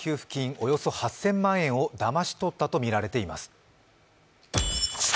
およそ８０００万円をだまし取ったとみられています。